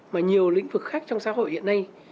mà nhiều lĩnh vực khác trong xã hội hiện nay